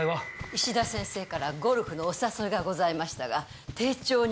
石田先生からゴルフのお誘いがございましたが丁重にお断りしておきました。